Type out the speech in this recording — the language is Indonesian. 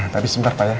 tapi sebentar pak ya